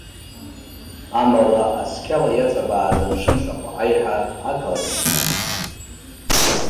Амала, асқьала иаҵабааз амшын шаҟәа аиҳа ақалақь цқьан.